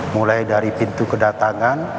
mulai dari pintu kedatangan